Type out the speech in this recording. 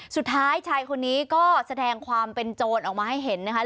สุดท้ายชายคนนี้ก็แสดงความเป็นโจรออกมาให้เห็นนะคะ